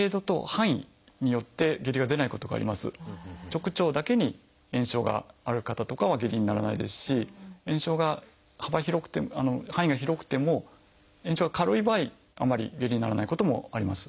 直腸だけに炎症がある方とかは下痢にならないですし炎症が幅広くて範囲が広くても炎症が軽い場合あんまり下痢にならないこともあります。